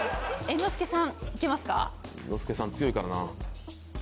猿之助さん強いからな。